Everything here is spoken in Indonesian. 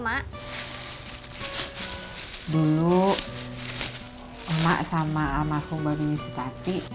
mak dulu emak ketemu bapaknya mbak tati